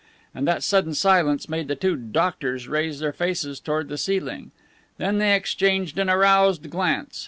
And that sudden silence made the two "doctors" raise their faces toward the ceiling. Then they exchanged an aroused glance.